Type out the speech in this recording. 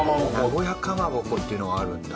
名古屋かまぼこっていうのがあるんだ。